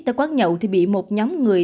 tới quán nhậu thì bị một nhóm người